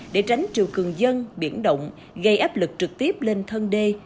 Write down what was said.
để tránh triều cường dân biển động gây áp lực trực tiếp lên thân đê